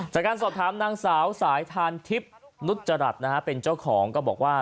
จากการสอบถามนางสาวสายทานทิพย์นุจจรัสนะฮะเป็นเจ้าของก็บอกว่า